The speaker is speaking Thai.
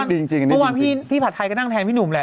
เพราะว่าพี่ผาทัยก็นั่งแทนพี่หนูแหละ